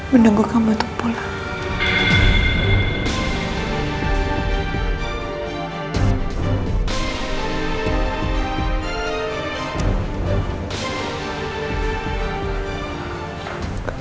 menunggu kamu untuk pulang